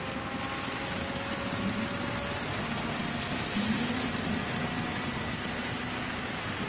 実りの秋です。